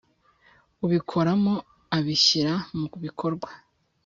Ubikoramo abishyira mu bikorwa.